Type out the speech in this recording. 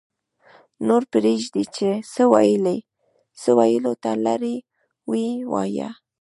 -نور پرېږدئ چې څه ویلو ته لري ویې وایي